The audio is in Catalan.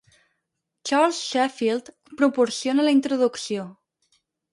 Charles Sheffield proporciona la introducció.